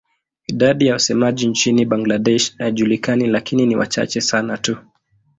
Idadi ya wasemaji nchini Bangladesh haijulikani lakini ni wachache sana tu.